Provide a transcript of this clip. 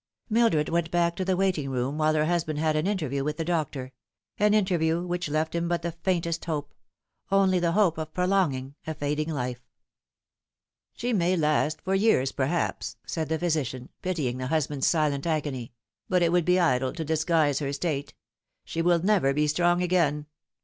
Mildred went back to the waiting room while her husband had an interview with the doctor ; an interview which left him but the faintest hope only the hope of 'prolonging a fading life. " She may last for years, perhaps," said the physician, pitying 344 The Fatal Three. the husband's silent agony, " but it would be idle to disguise her state. She will never be strong again.